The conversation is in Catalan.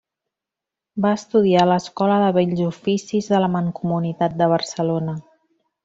Va estudiar a l'Escola de Bells Oficis de la Mancomunitat de Barcelona.